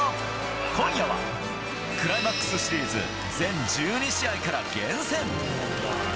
今夜は、クライマックスシリーズ全１２試合から厳選。